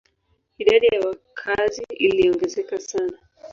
Idadi ya wakazi iliongezeka sana.